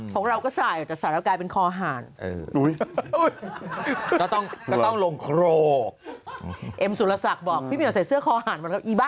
ของเราก็สายกันแต่กลายเป็นคอหาร